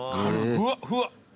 ふわふわ。